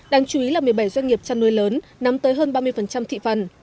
đáng chú ý là một mươi bảy doanh nghiệp chăn nuôi lớn nắm tới hơn ba mươi thị phần